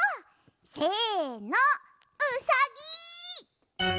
せのうさぎ！